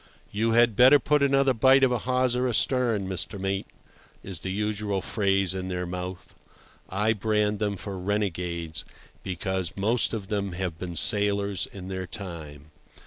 "You had better put another bight of a hawser astern, Mr. Mate," is the usual phrase in their mouth. I brand them for renegades, because most of them have been sailors in their time.